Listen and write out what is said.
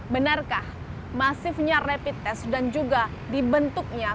benarkah masifnya rapid test dan juga dibentuknya